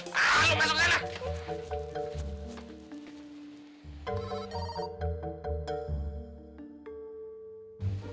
orang sangat sensitif sih